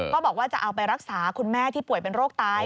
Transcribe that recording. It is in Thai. บอกว่าจะเอาไปรักษาคุณแม่ที่ป่วยเป็นโรคไต